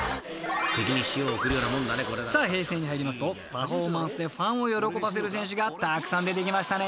［さあ平成に入りますとパフォーマンスでファンを喜ばせる選手がたくさん出てきましたね］